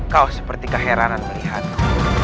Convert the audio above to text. kau seperti keheranan melihatku